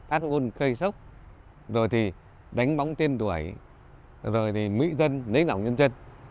ác ôn cây sốc rồi thì đánh bóng tên tuổi rồi thì mỹ dân nếp lỏng nhân dân